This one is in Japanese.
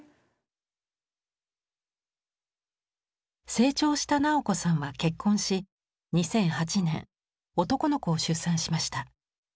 成長した直子さんは結婚し２００８年男の子を出産しました。